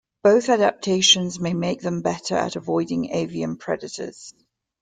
Both adaptations may make them better at avoiding avian predators.